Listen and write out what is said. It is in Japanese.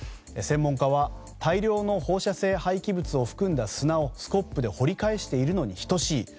専門家は、大量の放射性廃棄物を含んだ砂をスコップで掘り返しているのに等しい。